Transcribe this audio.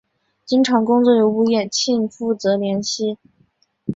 经常工作由吴衍庆负责联系。